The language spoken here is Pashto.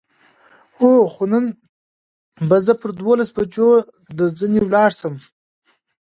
هو، خو نن به زه پر دولسو بجو درځنې ولاړ شم.